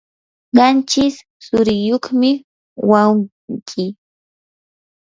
qanchis tsuriyuqmi wawqi.